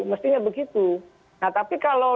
mestinya begitu nah tapi kalau